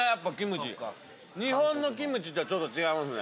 日本のキムチとはちょっと違いますね。